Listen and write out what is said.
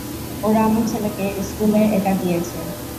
ওরা আমার ছেলেকে স্কুলে এটা দিয়েছে।